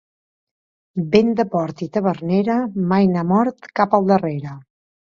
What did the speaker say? Vent de port i tavernera, mai n'ha mort cap al darrere.